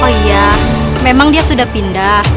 oh iya memang dia sudah pindah